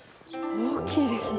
大きいですね。